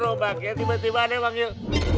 tiba tiba ada yang memanggil